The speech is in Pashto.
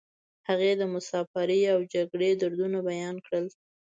هغې د مسافرۍ او جګړې دردونه بیان کړل